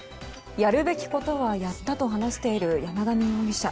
やるべきことはやったと話している山上容疑者。